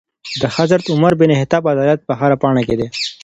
د حضرت عمر بن خطاب عدالت په هره پاڼې کي دی.